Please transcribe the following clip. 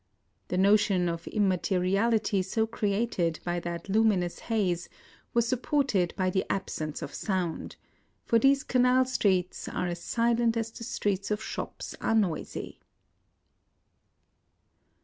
The notion of immate riality so created by that luminous haze was supported by the absence of sound ; for these canal streets are as silent as the streets of shops are noisy.